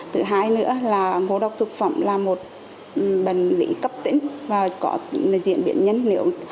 thứ hai nữa là ngộ độc thực phẩm là một bệnh lý cấp tính và có diễn biến nhân liệu